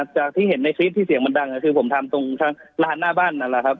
จากที่เห็นในคลิปที่เสียงมันดังคือผมทำตรงทางร้านหน้าบ้านนั่นแหละครับ